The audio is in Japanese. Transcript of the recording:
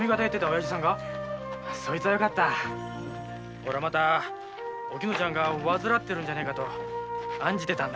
おれはおきぬちゃんが患ってるんじゃねぇかと案じてたんだ。